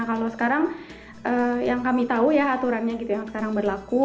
kalau sekarang yang kami tahu ya aturannya gitu yang sekarang berlaku